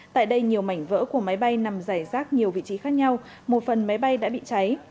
tại đây nhiều mảnh vỡ của máy bay nằm rải rác nhiều vị trí khác nhau một phần máy bay đã bị cháy